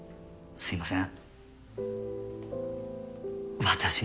すいません。